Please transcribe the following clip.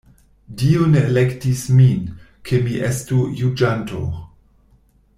Dio ne elektis min, ke mi estu juĝanto.